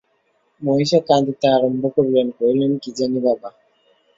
মহিষী কাঁদিতে আরম্ভ করিলেন, কহিলেন, কী জানি বাবা।